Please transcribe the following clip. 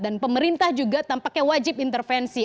dan pemerintah juga tampaknya wajib intervensi